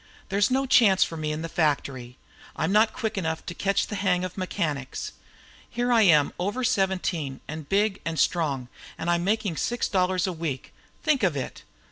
There's no chance for me in the factory. I'm not quick enough to catch the hang of mechanics. Here I am over seventeen and big and strong, and I'm making six dollars a week. Think of it!